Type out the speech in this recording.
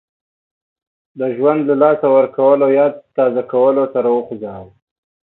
د ژوند له لاسه ورکولو یاد په تازه کولو سر وخوځاوه.